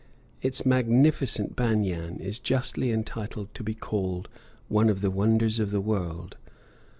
Its magnificent banyan is justly entitled to be called one of the wonders of the world.